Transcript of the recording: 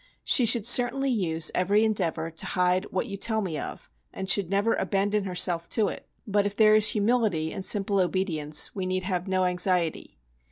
She should certainly use every endeavour to hide what you tell me of, and should never abandon herself to it; but if there is humility and simple obedience we need have no anxiety.